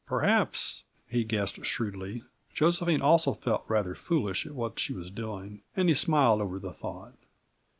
Perhaps, he guessed shrewdly, Josephine also felt rather foolish at what she was doing and he smiled over the thought.